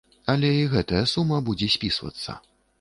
Але і гэтая сума будзе спісвацца.